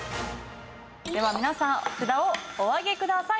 では皆さん札をお上げください。